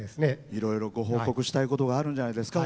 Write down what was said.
いろいろご報告したいことがあるんじゃないですか？